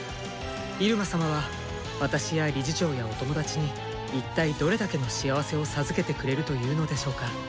イルマ様は私や理事長やおトモダチに一体どれだけの幸せを授けてくれるというのでしょうか。